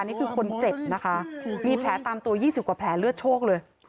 นี่คือคนเจ็บนะคะมีแผลตามตัว๒๐กว่าแผลเลือดโชคเลย